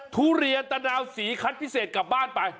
ทุเรียนตะนาวสีคัดพิเศษกลับบ้านไป